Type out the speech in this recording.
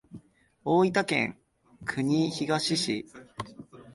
大分県国東市